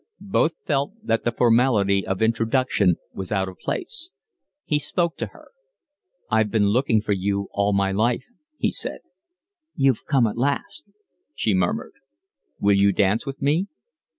Both felt that the formality of introduction was out of place. He spoke to her. "I've been looking for you all my life," he said. "You've come at last," she murmured. "Will you dance with me?"